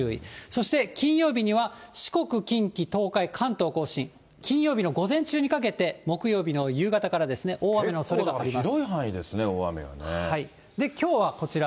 そして金曜日には四国、近畿、東海、関東甲信、金曜日の午前中にかけて、木曜日の夕方からですね、結構、広い範囲ですね、大雨きょうはこちら。